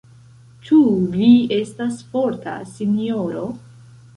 Ĉu vi estas forta, sinjoro?